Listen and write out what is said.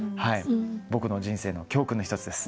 僕の人生の教訓の一つです。